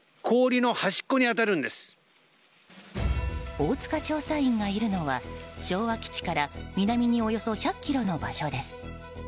大塚調査員がいるのは昭和基地から南におよそ１００ｋｍの場所です。